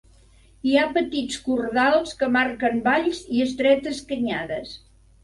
Hi ha petits cordals que marquen valls i estretes canyades.